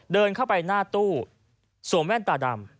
เดินเข้าไปหน้าตู้สวมแว่นตาดำ